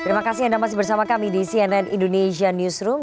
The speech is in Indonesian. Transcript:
terima kasih anda masih bersama kami di cnn indonesia newsroom